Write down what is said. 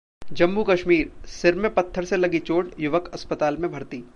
जम्मू-कश्मीर: सिर में पत्थर से लगी चोट, युवक अस्पताल में भर्ती